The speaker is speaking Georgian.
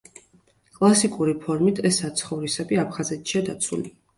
კლასიკური ფორმით ეს საცხოვრისები აფხაზეთშია დაცული.